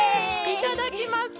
いただきます！